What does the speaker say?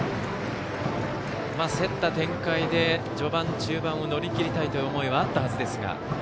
競った展開で序盤、中盤を乗り切りたいという思いはあったはずですが。